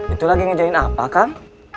itu lagi ngejain apa kang